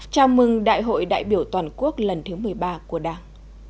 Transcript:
chào mừng đại hội đại biểu toàn quốc lần thứ một mươi ba của đảng